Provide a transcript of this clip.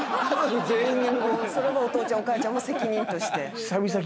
それもお父ちゃんお母ちゃんも責任として。